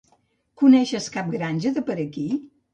Coneixes cap granja de per aquí?